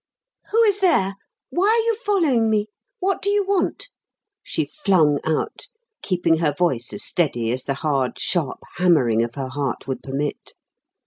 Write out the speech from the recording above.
"Who is there? Why are you following me? What do you want?" she flung out, keeping her voice as steady as the hard, sharp hammering of her heart would permit.